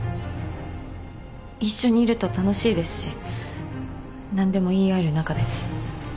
一緒にいると楽しいですし何でも言い合える仲です。